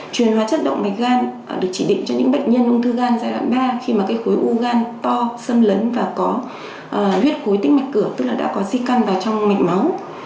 truyền hóa chất động mạch gan được chỉ định cho những bệnh nhân ung thư gan giai đoạn ba khi mà cái khối u gan to xâm lấn và có huyết khối tinh mạch cửa tức là đã có di căn vào trong mạch máu